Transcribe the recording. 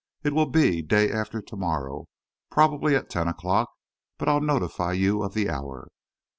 It will be day after to morrow, probably at ten o'clock, but I'll notify you of the hour."